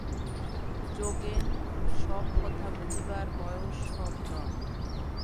যোগেন, সব কথা বুঝিবার বয়স সব নয়।